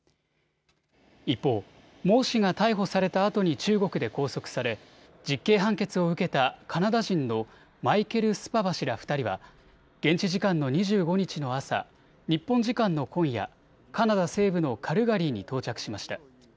一方、孟氏が逮捕された後に中国で拘束され実刑判決を受けたカナダ人のマイケル・スパバ氏ら２人は現地時間の２５日の朝日本時間の今夜カナダ西部のカルガリーに到着しました。